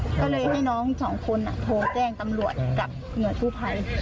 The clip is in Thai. ก็เลยให้น้องสองคนอ่ะโทรแจ้งตำรวจกับเหนือทูพัย